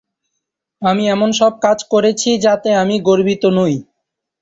আমি এমন সব কাজ করেছি যাতে আমি গর্বিত নই।